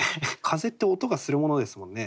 風って音がするものですもんね。